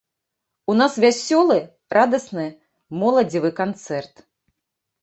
У нас вясёлы, радасны, моладзевы канцэрт.